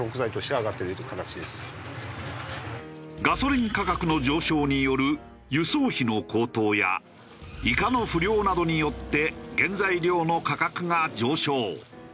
ガソリン価格の上昇による輸送費の高騰やイカの不漁などによって原材料の価格が上昇。